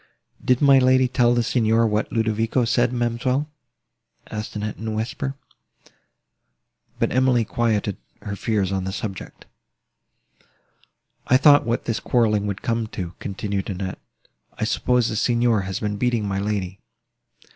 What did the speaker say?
"Did my lady tell the Signor what Ludovico said, ma'amselle?" asked Annette in a whisper; but Emily quieted her fears on the subject. "I thought what this quarrelling would come to," continued Annette: "I suppose the Signor has been beating my lady."